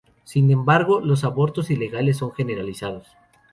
Sin embargo, los abortos ilegales son generalizados.